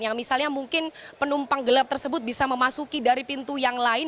yang misalnya mungkin penumpang gelap tersebut bisa memasuki dari pintu yang lain